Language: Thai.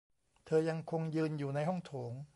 เธอยังคงยืนอยู่ในห้องโถง